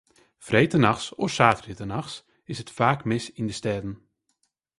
Freedtenachts of saterdeitenachts is it faak mis yn de stêden.